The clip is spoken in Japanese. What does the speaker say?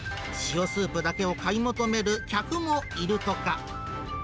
塩スープだけを買い求める客もいるとか。